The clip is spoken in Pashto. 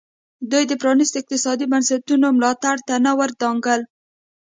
دوی د پرانیستو اقتصادي بنسټونو ملاتړ ته نه ودانګل.